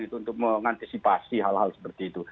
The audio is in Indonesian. untuk mengantisipasi hal hal seperti itu